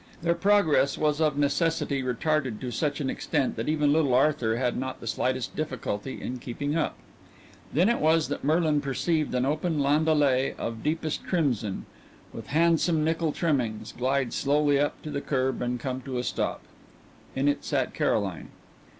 Their progress was of necessity retarded to such an extent that even little Arthur had not the slightest difficulty in keeping up. Then it was that Merlin perceived an open landaulet of deepest crimson, with handsome nickel trimmings, glide slowly up to the curb and come to a stop. In it sat Caroline.